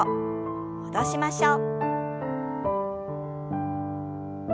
戻しましょう。